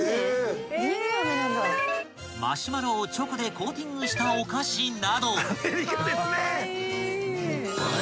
［マシュマロをチョコでコーティングしたお菓子など］